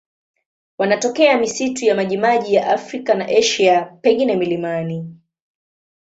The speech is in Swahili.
Wanatokea misitu ya majimaji ya Afrika na Asia, pengine milimani.